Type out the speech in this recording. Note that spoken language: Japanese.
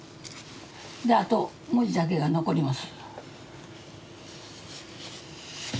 であと文字だけが残ります。